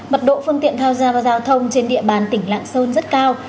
mật độ phương tiện tham gia vào giao thông trên địa bàn tỉnh lạng sơn rất cao